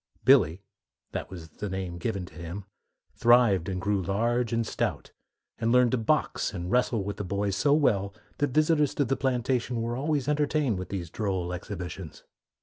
"Billy" that was the name given to him thrived and grew large and stout, and learned to box and wrestle with the boys so well that visitors to the plantation were always entertained with these droll exhibitions.